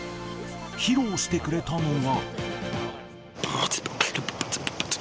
披露してくれたのは。